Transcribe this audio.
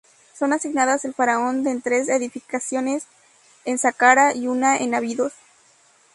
Son asignadas al faraón Den tres edificaciones en Saqqara y una en Abidos.